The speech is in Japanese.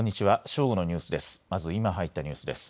正午のニュースです。